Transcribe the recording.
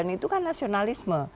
itu kan nasionalisme